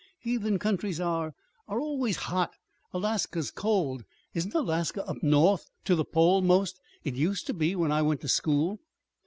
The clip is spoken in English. "Heathen countries are are always hot. Alaska's cold. Isn't Alaska up north to the pole, 'most? It used to be, when I went to school."